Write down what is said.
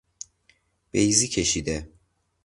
بیضی کشیده